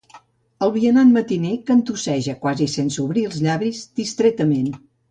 El vianant matiner cantusseja quasi sense obrir els llavis, distretament.